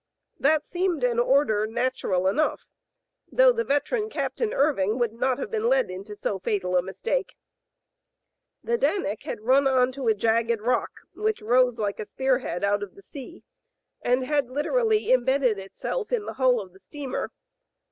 That seemed an order nat ural enough, though the veteran Captain Irving would not have been led into so fatal a mistake. The Dante had run on to a jagged rock which rose like a spear head out of the sea, and had lit erally enibedded itself in the hull of the steamer.